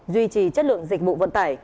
duy trì chất lượng dịch vụ vận tải